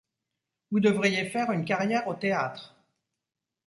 Vous devriez faire une carrière au théâtre.